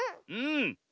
うん。